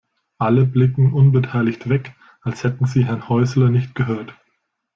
Alle blicken unbeteiligt weg, als hätten sie Herrn Häusler nicht gehört.